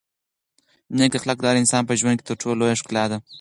نېک اخلاق د هر انسان په ژوند کې تر ټولو لویه ښکلا ده.